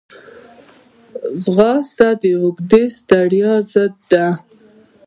ځغاسته د اوږدې ستړیا ضد ده